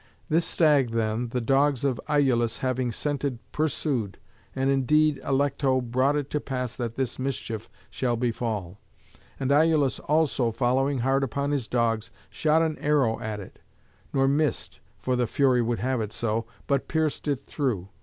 This stag, then, the dogs of Iülus having scented pursued, and indeed Alecto brought it to pass that this mischief shall befall; and Iülus also, following hard upon his dogs, shot an arrow at it, nor missed (for the Fury would have it so), but pierced it through.